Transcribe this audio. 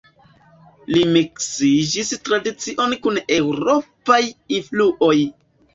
Li miksis tradicion kun eŭropaj influoj.